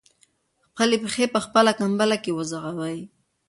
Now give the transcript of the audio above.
خپلې پښې په خپله کمپله کې وغځوئ.